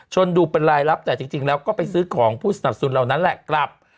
ดูเป็นรายลับแต่จริงแล้วก็ไปซื้อของผู้สนับสนุนเหล่านั้นแหละกลับ